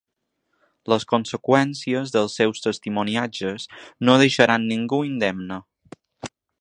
Les conseqüències dels seus testimoniatges no deixaran ningú indemne.